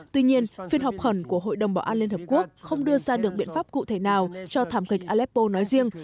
tuy nhiên phiên họp khẩn của hội đồng bảo an liên hợp quốc không đưa ra được biện pháp cụ thể nào cho thảm kịch aleppo nói riêng